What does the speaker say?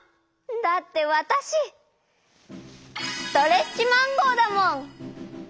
だってわたしストレッチマンゴーだもん！